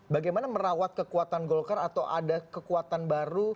bagaimana merawat kekuatan golkar atau ada kekuatan baru